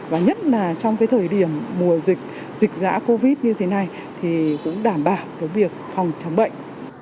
và nhất là trong cái thời điểm mùa dịch dịch giã covid như thế này thì cũng đảm bảo cái việc phòng chống bệnh